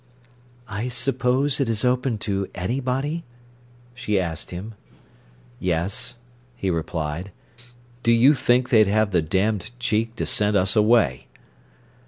"I suppose it is open to anybody?" she asked him. "Yes," he replied. "Do you think they'd have the damned cheek to send us away."